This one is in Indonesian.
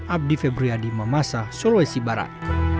abdi febriadi memasa sulawesi barat